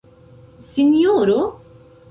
Sinjoro?